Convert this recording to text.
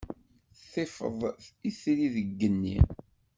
Tifeḍ itri deg yigenni.